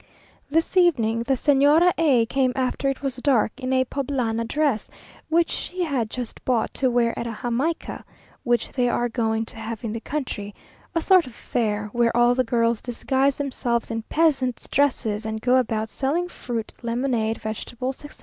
This evening the Señora A came after it was dark, in a Poblana dress, which she had just bought to wear at a Jamaica, which they are going to have in the country a sort of fair, where all the girls disguise themselves in peasants' dresses, and go about selling fruit, lemonade, vegetables, etc.